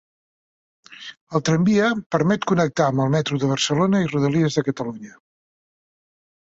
El tramvia permet connectar amb el Metro de Barcelona i Rodalies de Catalunya.